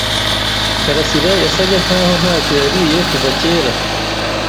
Karasirayasaga nkaho ntacyo yariye kuva kera.